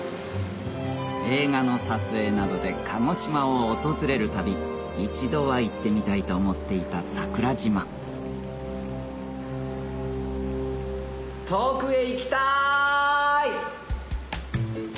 映画の撮影などで鹿児島を訪れるたび１度は行ってみたいと思っていた桜島遠くへ行きたい！